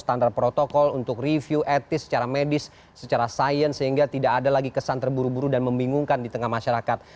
standar protokol untuk review etis secara medis secara sains sehingga tidak ada lagi kesan terburu buru dan membingungkan di tengah masyarakat